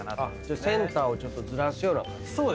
センターをちょっとずらすような感じで。